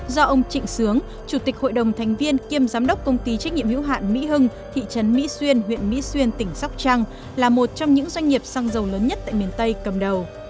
do ông trịnh sướng chủ tịch hội đồng thành viên kiêm giám đốc công ty trách nhiệm hữu hạn mỹ hưng thị trấn mỹ xuyên huyện mỹ xuyên tỉnh sóc trăng là một trong những doanh nghiệp xăng dầu lớn nhất tại miền tây cầm đầu